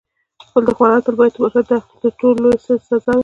خپل دښمنان تل باید وبخښه، دا ورته تر ټولو لویه سزا ده.